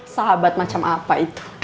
sahabat macam apa itu